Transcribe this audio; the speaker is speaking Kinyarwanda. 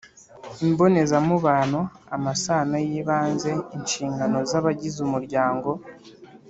Imbonezamubano: amasano y’ibanze, inshingano z’abagize umuryango.